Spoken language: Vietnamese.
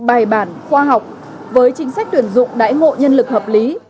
bài bản khoa học với chính sách tuyển dụng đãi ngộ nhân lực hợp lý